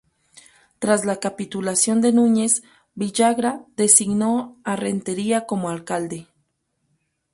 Tras la capitulación de Núñez, Villagra designó a Rentería como alcalde.